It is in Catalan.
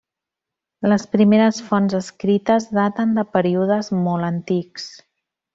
Les primeres fonts escrites daten de períodes molt antics.